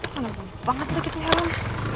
mau banget lagi tuh helm